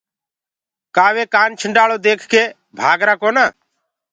ڪآ وي سوپيري ديک ڪي ڀآگرآ ڪونآ۔